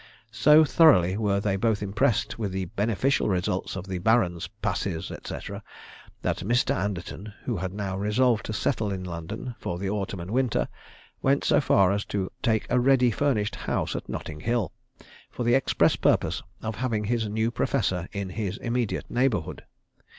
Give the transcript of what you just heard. So thoroughly were they both impressed with the beneficial results of the Baron's "passes," &c., that Mr. Anderton, who had now resolved to settle in London for the autumn and winter, went so far as to take a ready furnished house at Notting Hill, for the express purpose of having his new professor in his immediate neighbourhood.